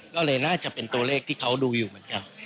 ก็เลยน่าจะเป็นตัวเลขที่เขาดูอยู่เหมือนกัน